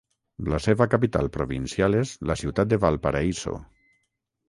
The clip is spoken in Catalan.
La seva capital provincial és la Ciutat de Valparaíso.